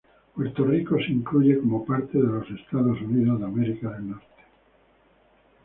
Puerto Rico se incluye como parte de Estados Unidos.